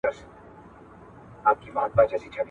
څوک چي دښمن وي د هرات هغه غلیم د وطن !.